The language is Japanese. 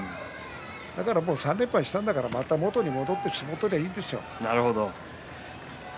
だからもう３連敗したんですから元に戻って相撲を取ればいいんですよ。